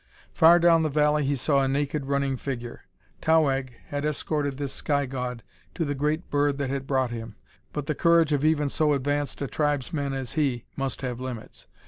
Far down the valley he saw a naked, running figure. Towahg had escorted this sky god to the great bird that had brought him, but the courage of even so advanced a tribesman as he must have limits.